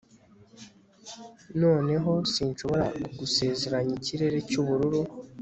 noneho sinshobora kugusezeranya ikirere cyubururu